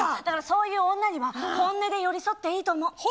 だからそういう女には本音で寄り添っていいと思う。